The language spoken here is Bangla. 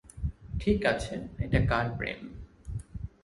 ঠিক আছে, এটা কার প্রেম?